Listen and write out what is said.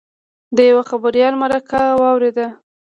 د یوه خبریال مرکه واورېده.